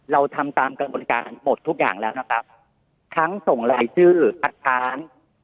เราทำตามกระบวนการหมดทุกอย่างแล้วนะครับทั้งส่งรายชื่อคัดค้าน